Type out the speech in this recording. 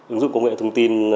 ứng dụng công nghệ thông tin